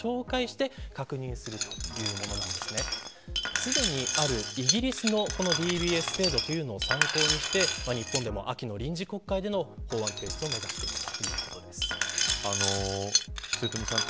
すでにあるイギリスのＤＢＳ制度というのを参考にして日本でも秋の臨時国会での法案提出を目指す末冨さん